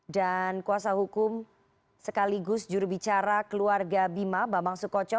dan kuasa hukum sekaligus jurubicara keluarga bima bambang sukoco